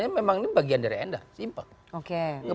ini memang bagian dari anda simple